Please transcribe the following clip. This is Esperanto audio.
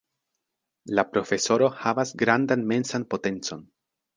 La Profesoro havas grandan mensan potencon.